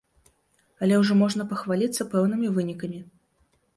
Але ўжо можа пахваліцца пэўнымі вынікамі.